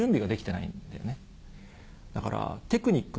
だから。